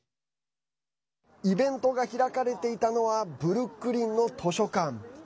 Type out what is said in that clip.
イベントが開かれていたのはブルックリンの図書館。